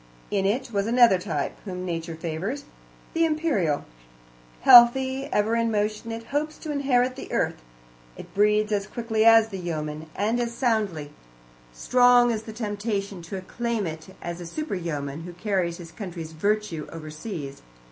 In it was another type, whom Nature favours the Imperial. Healthy, ever in motion, it hopes to inherit the earth. It breeds as quickly as the yeoman, and as soundly; strong is the temptation to acclaim it as a super yeoman, who carries his country's virtue overseas.